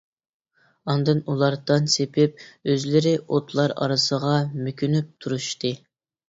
ئاندىن ئۇلار دان سېپىپ، ئۆزلىرى ئوتلار ئارىسىغا مۆكۈنۈپ تۇرۇشتى.